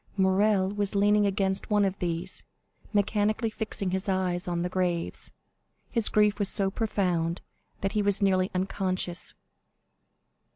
Morrel was leaning against one of these, mechanically fixing his eyes on the graves. His grief was so profound that he was nearly unconscious.